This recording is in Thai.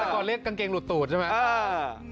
ก่อนเรียกกางเกงหลุดตูดใช่ไหม